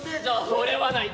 それはない。